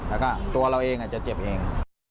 แล้วก็ตัวเราเองจะเจ็บเอง